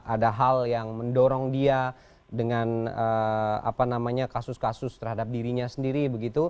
ada hal yang mendorong dia dengan kasus kasus terhadap dirinya sendiri begitu